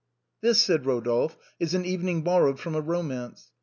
" This," said Rodolphe, " is an evening borrowed from a romance."